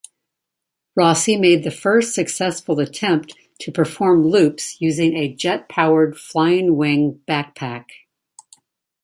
Rossy made the first successful attempt to perform loops using a jet-powered flying-wing backpack.